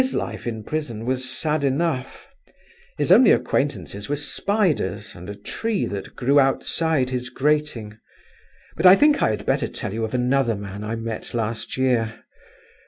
His life in prison was sad enough; his only acquaintances were spiders and a tree that grew outside his grating—but I think I had better tell you of another man I met last year.